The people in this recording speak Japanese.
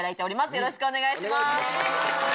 よろしくお願いします。